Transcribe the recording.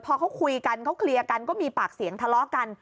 พอเขาคุยกันเขาเคลียร์กันก็มีปากเสียงทะเลาะกัน